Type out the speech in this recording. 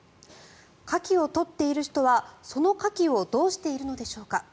カキを取っている人はそのカキをどうしているのでしょうか。